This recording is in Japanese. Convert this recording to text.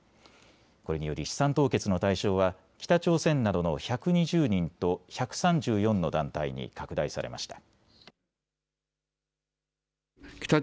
これにより資産凍結の対象は北朝鮮などの１２０人と１３４の団体に拡大されました。